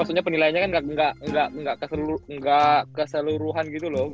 maksudnya penilaiannya kan nggak keseluruhan gitu loh